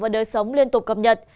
và đời sống liên tục cập nhật